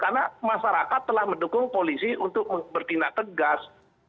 karena masyarakat telah mendukung polisi untuk bertindak tegas